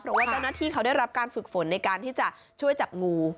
เพราะว่าเจ้าหน้าที่เขาได้รับการฝึกฝนในการที่จะช่วยจับงู